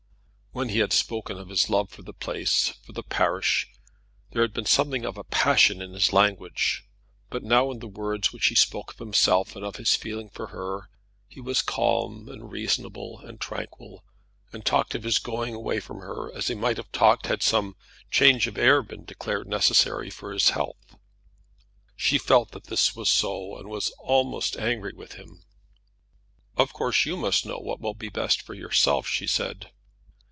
When he had spoken of his love for the place, for the parish, there had been something of passion in his language; but now in the words which he spoke of himself and of his feeling for her, he was calm and reasonable and tranquil, and talked of his going away from her as he might have talked had some change of air been declared necessary for his health. She felt that this was so, and was almost angry with him. "Of course you must know what will be best for yourself," she said.